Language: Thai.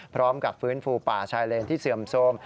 พร้อมกับฟื้นฟูป่าชายเลนที่เสื่อมโทรม